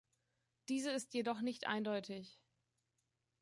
Diese ist jedoch nicht eindeutig.